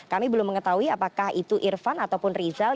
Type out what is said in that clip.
kami belum mengetahui apakah itu irfan ataupun rizal